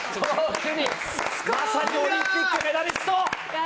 まさにオリンピックメダリスト！